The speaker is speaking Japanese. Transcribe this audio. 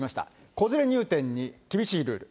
子連れ入店に厳しいルール。